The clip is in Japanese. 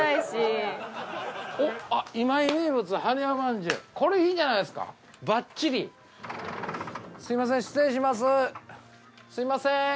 すんません。